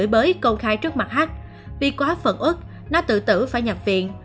bà hắc đã đặt bài bởi công khai trước mặt hắc vì quá phận ức nó tự tử phải nhập viện